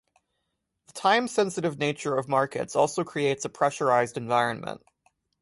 The time sensitive nature of markets also creates a pressurized environment.